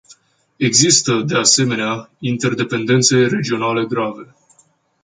Există, de asemenea, interdependențe regionale grave.